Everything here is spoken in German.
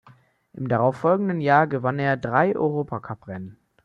Im darauf folgenden Jahr gewann er drei Europacuprennen.